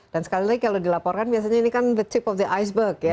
dan sekali lagi kalau dilaporkan biasanya ini kan the tip of the iceberg ya